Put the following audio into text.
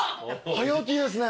早起きですね。